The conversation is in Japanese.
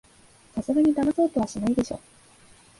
さすがにだまそうとはしないでしょ